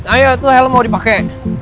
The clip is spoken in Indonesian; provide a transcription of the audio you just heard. ayo tuh helm mau dipakai